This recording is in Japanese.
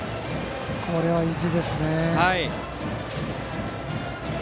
これは意地ですね。